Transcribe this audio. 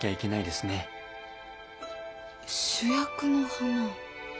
主役の花。